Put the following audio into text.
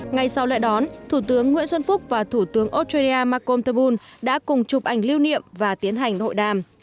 ngay sau lệ đón thủ tướng nguyễn xuân phúc và thủ tướng australia malcolm turnbull đã cùng chụp ảnh lưu niệm và tiến hành hội đàm